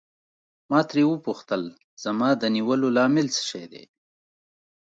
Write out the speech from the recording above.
ما ترې وپوښتل زما د نیولو لامل څه شی دی.